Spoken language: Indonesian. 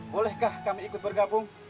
bolehkah kami ikut bergabung